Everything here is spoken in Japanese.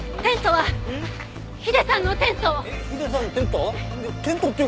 えっヒデさんのテント？